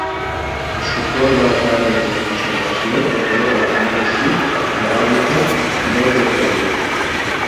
El suport de les àrees de conservació es deu a l'anàlisi de l'hàbitat dels depredadors.